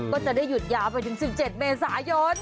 ก็จะได้หยุดยาวไปถึง๑๗เมษายน